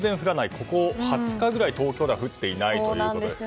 ここ２０日ぐらい東京では降っていないということです。